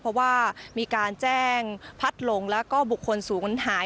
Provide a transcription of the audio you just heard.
เพราะว่ามีการแจ้งพัดหลงแล้วก็บุคคลศูนย์หาย